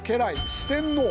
四天王。